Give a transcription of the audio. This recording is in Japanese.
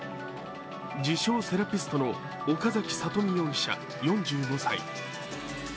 自称セラピストの岡崎里美容疑者４５歳。